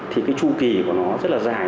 thì cái chu kỳ của nó rất là dài